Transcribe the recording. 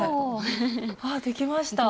ああああできました。